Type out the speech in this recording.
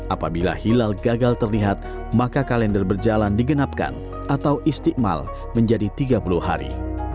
apabila hilal gagal terlihat maka kalender berjalan digenapkan atau istiqmal menjadi tiga puluh hari